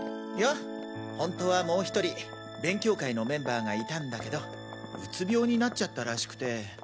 いや本当はもう１人勉強会のメンバーがいたんだけどうつ病になっちゃったらしくて。